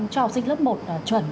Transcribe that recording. cho học sinh lớp một chuẩn